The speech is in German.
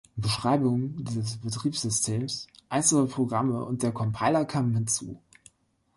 Beschreibungen des Betriebssystems, einzelner Programme und der Compiler kamen hinzu.